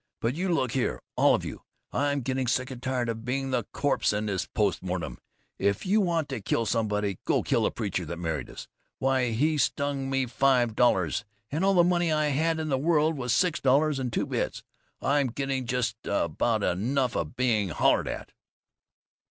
"But you look here, all of you! I'm getting sick and tired of being the corpse in this post mortem! If you want to kill somebody, go kill the preacher that married us! Why, he stung me five dollars, and all the money I had in the world was six dollars and two bits. I'm getting just about enough of being hollered at!"